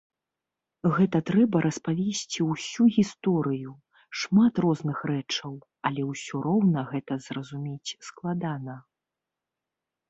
Гэта трэба распавесці ўсю гісторыю, шмат розных рэчаў, але ўсё роўна гэта зразумець складана.